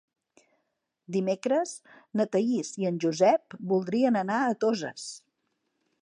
Dimecres na Thaís i en Josep voldrien anar a Toses.